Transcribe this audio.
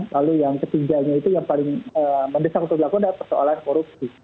lalu yang ketiganya itu yang paling mendesak untuk dilakukan adalah persoalan korupsi